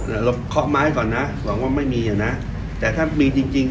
เราขอบมาให้ก่อนนะหวังว่าไม่มีนะแต่ถ้ามีจริง